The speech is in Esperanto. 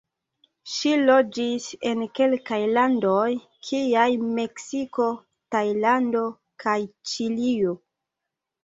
Ŝi loĝis en kelkaj landoj, kiaj Meksiko, Tajlando kaj Ĉilio.